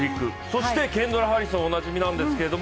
そしてケンドラ・ハリソン、おなじみなんですけど